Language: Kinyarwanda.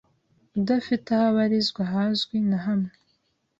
udafite aho abarizwa hazwi na hamwe